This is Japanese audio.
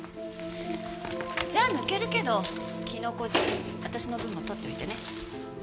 じゃあ抜けるけどキノコ汁私の分も取っておいてね。